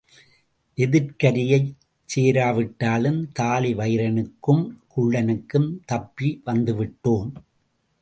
எதிர்க்கரையைச் சேராவிட்டாலும் தாழி வயிறனுக்கும் குள்ளனுக்கும் தப்பி வந்துவிட்டோம்.